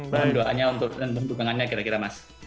mohon doanya untuk dan pertumbangannya kira kira mas